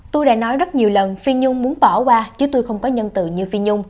tôi đã nói rất nhiều lần phi nhung muốn bỏ qua chứ tôi không có nhân tự như phi nhung